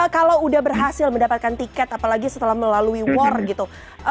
kalau udah berhasil mendapatkan tiket apalagi setelah melalui war gitu